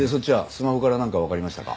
スマホからなんかわかりましたか？